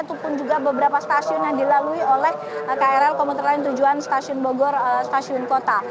ataupun juga beberapa stasiun yang dilalui oleh krl komuter lain tujuan stasiun bogor stasiun kota